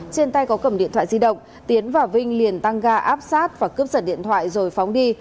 trên tay có cầm điện thoại di động tiến và vinh liền tăng ga áp sát và cướp giật điện thoại rồi phóng đi